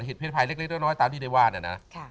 เศษภัยเล็กน้อยตามที่ได้ว่าเนี่ยนะ